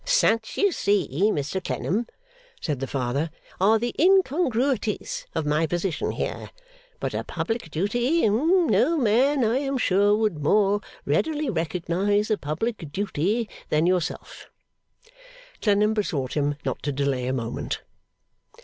'Such, you see, Mr Clennam,' said the Father, 'are the incongruities of my position here. But a public duty! No man, I am sure, would more readily recognise a public duty than yourself.' Clennam besought him not to delay a moment.